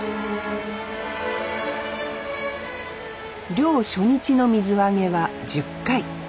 漁初日の水揚げは１０回。